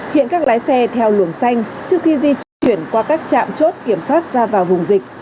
hiện các lái xe theo luồng xanh trước khi di chuyển qua các trạm chốt kiểm soát ra vào vùng dịch